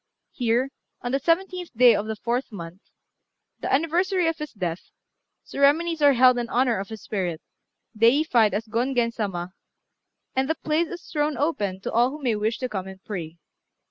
Here, on the seventeenth day of the fourth month, the anniversary of his death, ceremonies are held in honour of his spirit, deified as Gongen Sama, and the place is thrown open to all who may wish to come and pray.